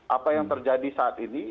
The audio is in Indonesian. apa yang terjadi saat ini